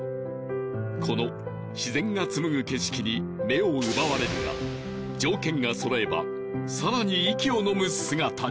この自然が紡ぐ景色に目を奪われるが条件がそろえばさらに息をのむ姿に！